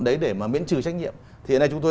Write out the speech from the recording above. đấy để mà miễn trừ trách nhiệm thì hiện nay chúng tôi